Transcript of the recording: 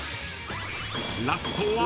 ［ラストは］